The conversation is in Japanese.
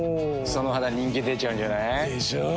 その肌人気出ちゃうんじゃない？でしょう。